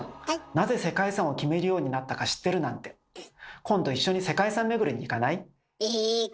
なぜ世界遺産を決めるようになったか知ってるなんて行く。